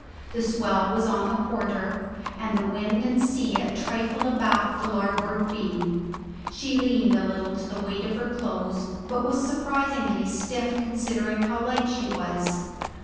The swell was on the quarter, and the wind and sea a trifle abaft the larboard beam; she leaned a little to the weight of her clothes, but was surprisingly stiff considering how light she was.